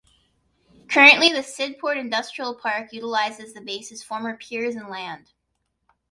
Currently, the Sydport Industrial Park utilizes the base's former piers and land.